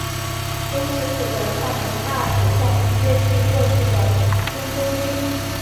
工尺谱的唱名大致上接近过去的中州音。